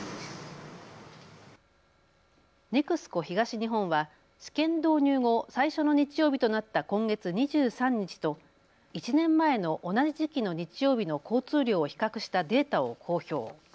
ＮＥＸＣＯ東日本は試験導入後最初の日曜日となった今月２３日と１年前の同じ時期の日曜日の交通量を比較したデータを公表。